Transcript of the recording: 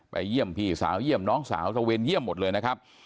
เยี่ยมพี่สาวเยี่ยมน้องสาวตะเวนเยี่ยมหมดเลยนะครับ